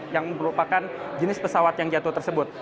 yang merupakan jenis pesawat yang jatuh tersebut